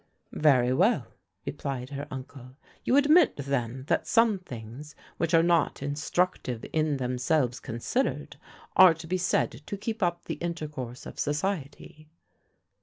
"Very well," replied her uncle. "You admit, then, that some things, which are not instructive in themselves considered, are to be said to keep up the intercourse of society."